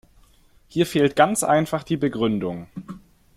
Hier fehlt ganz einfach die Begründung.